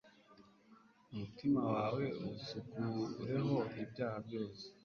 umutima wawe uwusukureho ibyaha byose